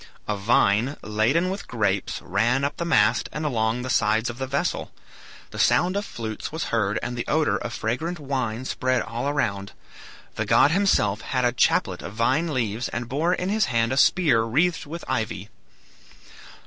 A vine, laden with grapes, ran up the mast, and along the sides of the vessel. The sound of flutes was heard and the odor of fragrant wine spread all around. The god himself had a chaplet of vine leaves, and bore in his hand a spear wreathed with ivy.